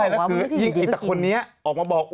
อีกตัวคนนี้ออกมาบอก